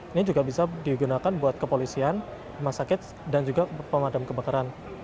ini juga bisa digunakan buat kepolisian rumah sakit dan juga pemadam kebakaran